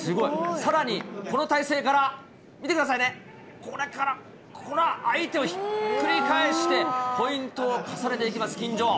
さらに、この体勢から、見てくださいね、これから、相手をひっくり返してポイントを重ねていきます、金城。